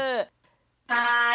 はい。